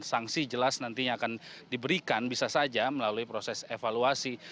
sanksi jelas nantinya akan diberikan bisa saja melalui proses evaluasi